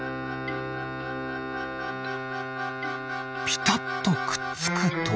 ピタッとくっつくと。